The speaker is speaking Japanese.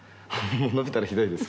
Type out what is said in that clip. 「伸びたらひどいです」